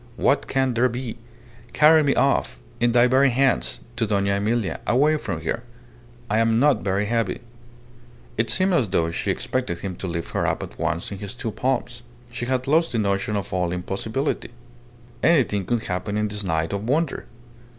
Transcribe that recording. "What can there be? Carry me off in thy very hands to Dona Emilia away from here. I am not very heavy." It seemed as though she expected him to lift her up at once in his two palms. She had lost the notion of all impossibility. Anything could happen on this night of wonder.